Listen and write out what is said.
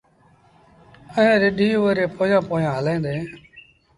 ائيٚݩٚ رڍينٚ اُئي ري پويآنٚ پويآنٚ هلينٚ دينٚ